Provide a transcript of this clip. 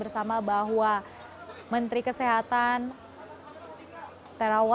saya bara siap bzw